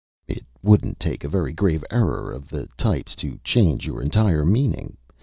It wouldn't take a very grave error of the types to change your entire meaning.